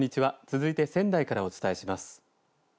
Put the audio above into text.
続いて仙台からお伝えします。